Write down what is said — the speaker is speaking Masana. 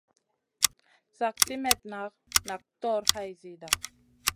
Slak simètna nak tog hay zida.